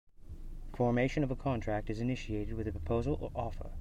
Formation of a contract is initiated with a proposal or offer.